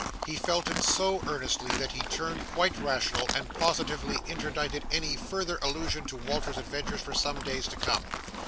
He felt it so earnestly, that he turned quite rational, and positively interdicted any further allusion to Walter's adventures for some days to come.